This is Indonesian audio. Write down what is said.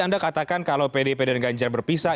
anda katakan kalau pdi dan janjar berpisah